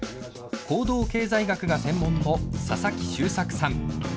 行動経済学が専門の佐々木周作さん。